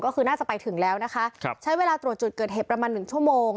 ก็คือน่าจะไปถึงแล้วนะคะครับใช้เวลาตรวจจุดเกิดเหตุประมาณหนึ่งชั่วโมง